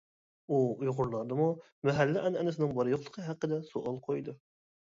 ئۇ ئۇيغۇرلاردىمۇ مەھەللە ئەنئەنىسىنىڭ بار-يوقلۇقى ھەققىدە سوئال قويدى.